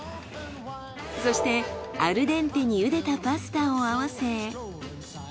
そしてアルデンテに茹でたパスタを合わせ。